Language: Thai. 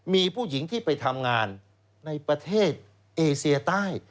มีผู้หญิงที่ไปทำงานในประเทศเอเซียใต้